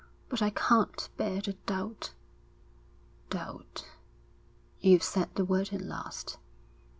But I can't bear the doubt.' 'Doubt. You've said the word at last.'